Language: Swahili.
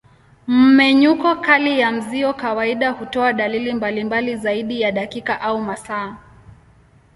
Mmenyuko kali ya mzio kawaida hutoa dalili mbalimbali zaidi ya dakika au masaa.